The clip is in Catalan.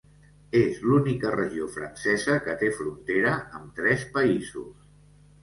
És l'única regió francesa que té frontera amb tres països.